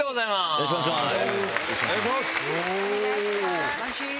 よろしくお願いします。